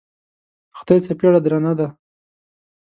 د خدای څپېړه درنه ده.